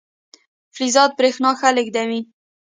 فلزات برېښنا ښه لیږدوي.